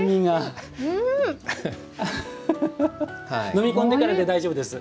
飲み込んでからで大丈夫です。